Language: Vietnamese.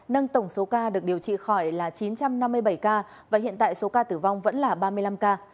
nâng tổng số ca được điều trị khỏi là chín trăm năm mươi bảy ca và hiện tại số ca tử vong vẫn là ba mươi năm ca